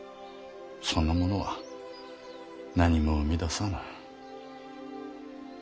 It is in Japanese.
そんなものは何も生み出さぬ。